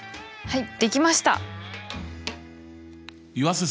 はい。